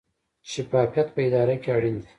شفافیت په اداره کې اړین دی